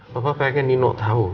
papa pengen nino tahu